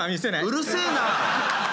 うるせえな！